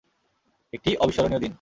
একটি অবিস্মরণীয় দিন!